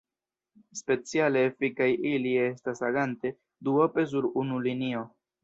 Speciale efikaj ili estas agante duope sur unu linio.